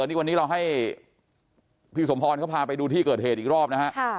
นี่วันนี้เราให้พี่สมพรเขาพาไปดูที่เกิดเหตุอีกรอบนะฮะ